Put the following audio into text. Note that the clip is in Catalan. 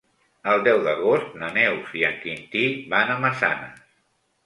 El deu d'agost na Neus i en Quintí van a Massanes.